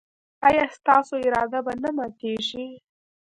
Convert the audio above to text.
ایا ستاسو اراده به نه ماتیږي؟